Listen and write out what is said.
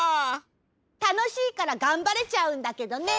たのしいからがんばれちゃうんだけどね！